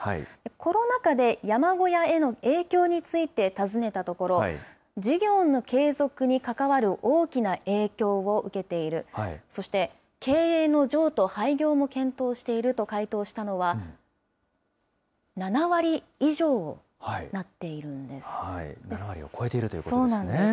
コロナ禍で山小屋への影響について尋ねたところ、事業の継続に関わる大きな影響を受けている、そして、経営の譲渡、廃業も検討していると回答したのは、７割を超えているということそうなんです。